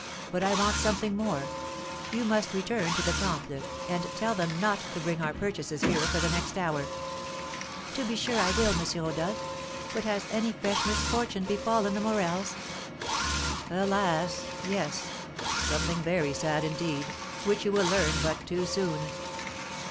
But I want something more; you must return to the Temple, and tell them not to bring our purchases here for the next hour." "To be sure I will, M. Rodolph; but has any fresh misfortune befallen the Morels?" "Alas! yes, something very sad indeed, which you will learn but too soon."